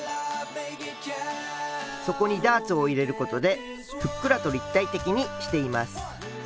底にダーツを入れることでふっくらと立体的にしています。